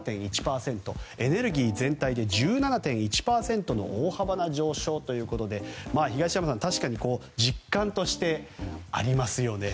エネルギー全体で１７．１％の大幅な上昇ということで東山さん、確かに実感としてありますよね。